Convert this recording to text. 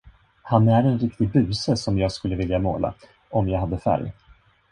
Han är en riktig buse som jag skulle vilja måla, om jag hade färg.